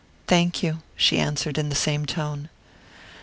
"Thank you," she answered, in the same tone.